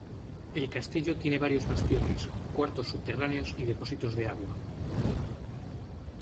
El castillo tiene varios bastiones, cuartos subterráneos y depósitos de agua.